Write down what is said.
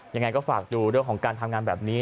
ยังไงก็ฝากดูเรื่องของการทำงานแบบนี้